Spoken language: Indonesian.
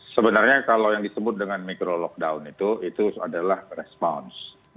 sebenarnya kalau yang disebut dengan micro lockdown itu itu adalah respons